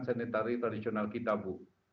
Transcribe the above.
seni tari tradisional kita bu